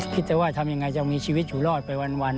คิดแต่ว่าทำยังไงจะมีชีวิตอยู่รอดไปวัน